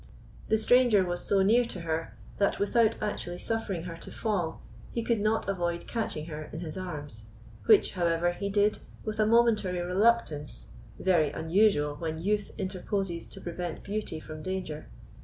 The stranger was so near to her that, without actually suffering her to fall, he could not avoid catching her in his arms, which, however, he did with a momentary reluctance, very unusual when youth interposes to prevent beauty from danger.